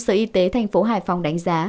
sở y tế thành phố hải phòng đánh giá